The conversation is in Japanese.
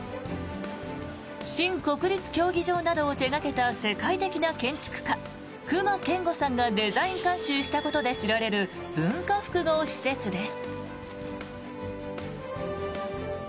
新国立競技場などを手掛けた世界的な建築家隈研吾さんがデザイン監修したことで知られる文化複合施設です。